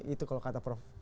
itu kalau kata perusahaan